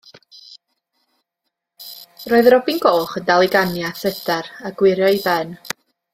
Roedd y robin goch yn dal i ganu a thrydar a gwyro'i ben.